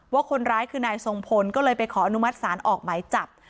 ว่าคนร้ายคือนายทรงพลก็เลยไปขออนุมัติศาลออกหมายจับ